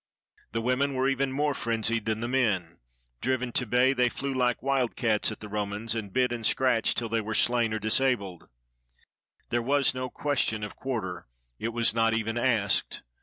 The wo men were even more frenzied than the men. Driven to bay, they flew like wild cats at the Romans, and bit and scratched till they were slain or disabled. There was no question of quarter; it was not even asked.